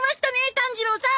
炭治郎さん！